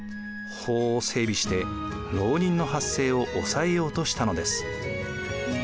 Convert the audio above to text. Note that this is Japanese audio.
法を整備して牢人の発生を抑えようとしたのです。